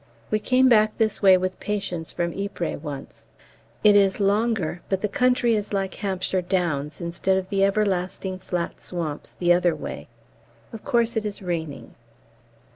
We came back this way with patients from Ypres once. It is longer, but the country is like Hampshire Downs, instead of the everlasting flat swamps the other way. Of course it is raining.